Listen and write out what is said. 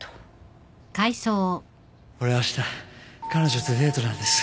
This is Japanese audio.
俺あした彼女とデートなんです